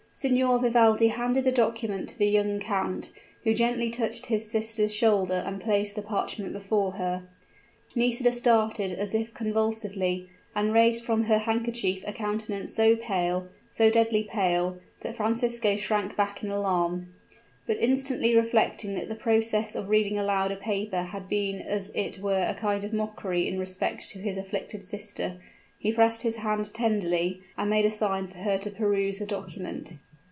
Signor Vivaldi handed the document to the young count, who gently touched his sister's shoulder and placed the parchment before her. Nisida started as if convulsively, and raised from her handkerchief a countenance so pale, so deadly pale, that Francisco shrank back in alarm. But instantly reflecting that the process of reading aloud a paper had been as it were a kind of mockery in respect to his afflicted sister, he pressed her hand tenderly, and made a sign for her to peruse the document.